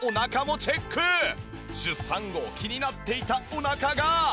出産後気になっていたお腹が。